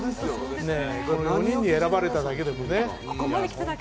この４人に選ばれただけでもね。